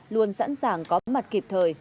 luôn sẵn sàng có mặt kịp thời